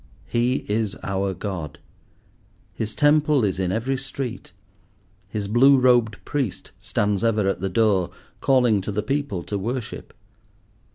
He is our God. His temple is in every street. His blue robed priest stands ever at the door, calling to the people to worship.